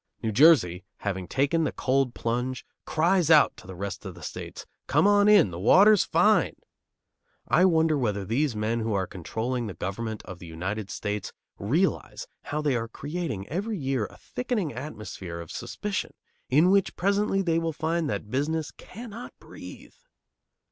New Jersey, having taken the cold plunge, cries out to the rest of the states, "Come on in! The water's fine!" I wonder whether these men who are controlling the government of the United States realize how they are creating every year a thickening atmosphere of suspicion, in which presently they will find that business cannot breathe?